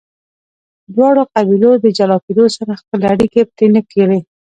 دواړو قبیلو د جلا کیدو سره خپلې اړیکې پرې نه کړې.